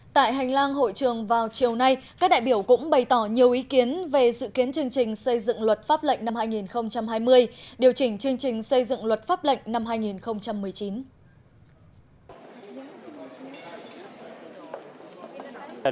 tại hành lang hội trường vào chiều nay các đại biểu cũng bày tỏ nhiều ý kiến về dự kiến chương trình xây dựng luật pháp lệnh năm hai nghìn hai mươi điều chỉnh chương trình xây dựng luật pháp lệnh năm hai nghìn một mươi chín